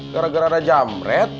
gara gara ada jamret